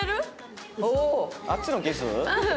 あっちのキス？